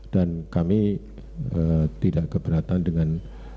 dan kami tidak keberatan dengan